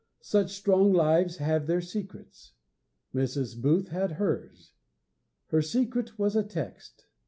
Such strong lives have their secrets. Mrs. Booth had hers. Her secret was a text.